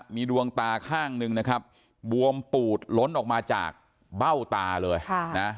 มีดวงตาข้างหนึ่งนะครับบวมปูดล้นออกมาจากเบ้าตาเลยนะ